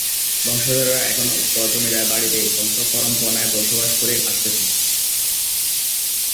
বংশধররা এখনো উক্ত জমিদার বাড়িতে বংশ পরামপণায় বসবাস করে আসতেছেন।